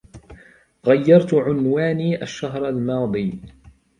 غيرت عنواني الشهر الماضي.